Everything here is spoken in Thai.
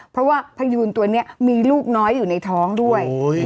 เพราะว่าพยูนตัวนี้มีลูกน้อยอยู่ในท้องด้วย